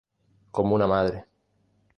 Como una madre".